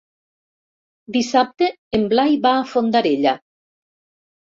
Dissabte en Blai va a Fondarella.